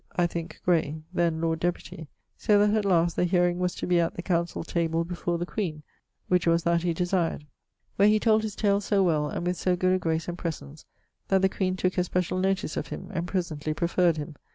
(I thinke, Gray) then Lord Deputy; so that at last the hearing was to be at councell table before the queen, which was that he desired; where he told his tale so well and with so good a grace and presence that the queen tooke especiall notice of him and presently preferred him.